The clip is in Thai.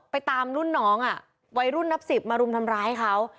ตามรุ่นน้องวัยรุ่นนับสิบมารุมทำร้ายเขา